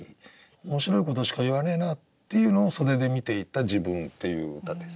面白いことしか言わねえなっていうのを袖で見ていた自分っていう歌です。